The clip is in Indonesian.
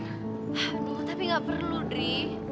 aduh tapi gak perlu dri